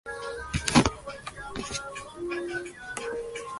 Se encuentra en el punto medio geográfico de Italia.